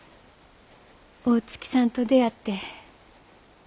大月さんと出会って。